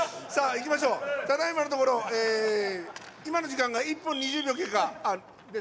ただいまのところ今の時間が１分２０秒経過。